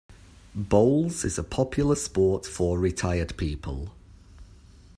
Bowls is a popular sport for retired people